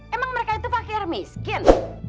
emang mereka itu fakir miskin